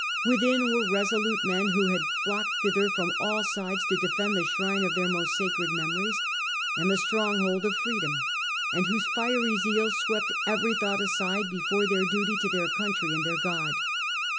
Within were resolute men who had flocked thither from all sides to defend the shrine of their The obsti most sacred memories and the stronghold of nate defence freedom, and whose fiery zeal swept every thought aside before their duty to their country and their God.